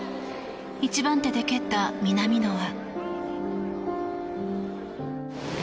１番手で蹴った南野は。